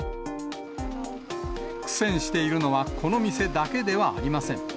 苦戦しているのはこの店だけではありません。